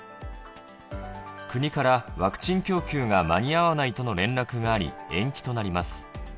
国からワクチン供給が間に合わないとの連絡があり、延期となります。